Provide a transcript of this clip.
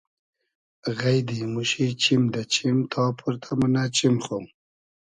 غݷدی موشی چیم دۂ چیم تا پۉرتۂ مونۂ چیم خو